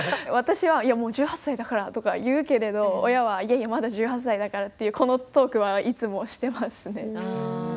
私は「いやもう１８歳だから」とか言うけれど親は「いやいやまだ１８歳だから」っていうこのトークはいつもしてますね。